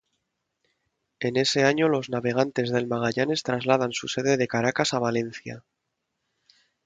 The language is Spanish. En ese año los Navegantes del Magallanes trasladan su sede de Caracas a Valencia.